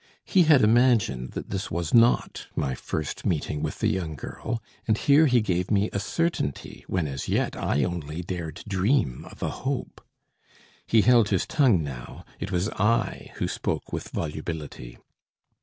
He had imagined that this was not my first meeting with the young girl, and here he gave me a certainty, when as yet I only dared dream of a hope. He held his tongue now; it was I who spoke with volubility.